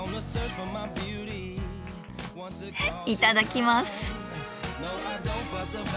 いただきます。